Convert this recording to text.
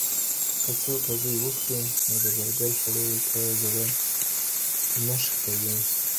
که څوک هګۍ وخوري نو د برګر خوړلو ته زړه نه ښه کوي.